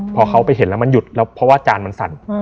พอเขาไปเห็นแล้วมันหยุดแล้วเพราะว่าจานมันสั่น